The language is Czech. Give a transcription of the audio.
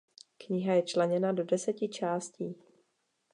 Kniha je členěna do deseti částí.